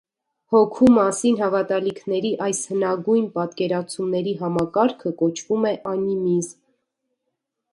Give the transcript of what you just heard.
Հոգու մասին հավատալիքների այս հնագույն պատկերացումների համակարգը կոչվում է անիմիզմ։